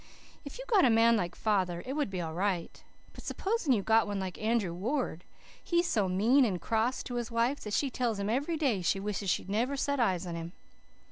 "If you got a man like father it would be all right. But S'POSEN you got one like Andrew Ward? He's so mean and cross to his wife that she tells him every day she wishes she'd never set eyes on him."